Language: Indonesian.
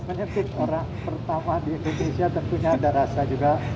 menyebut orang pertama di indonesia tentunya ada rasa juga